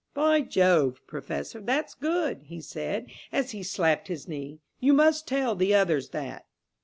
"By Jove, Professor, that's good," he said, as he slapped his knee; "you must tell the others that."